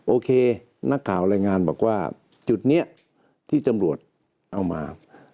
โอเคนักข่าวรายงานบอกว่าจุดนี้ที่ตำรวจเอามา